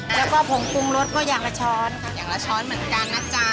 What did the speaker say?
แล้วก็ผงปรุงรสก็อย่างละช้อนค่ะอย่างละช้อนเหมือนกันนะจ๊ะ